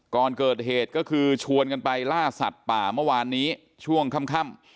ก่อนเกิดเหตุก็คือชวนกันไปล่าสัตว์ป่าเมื่อวานนี้ช่วงค่ำ